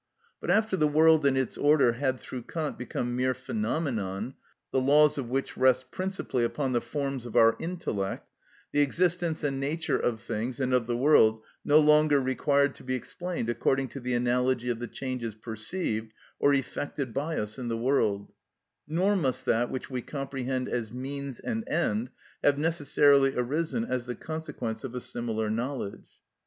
But after the world and its order had through Kant become mere phenomenon, the laws of which rest principally upon the forms of our intellect, the existence and nature of things and of the world no longer required to be explained according to the analogy of the changes perceived or effected by us in the world; nor must that which we comprehend as means and end have necessarily arisen as the consequence of a similar knowledge.